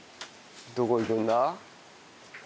どこ行くんだ？